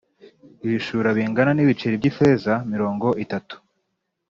Ibishura bingana n’ ibiceri by’ ifeza mirongo itatu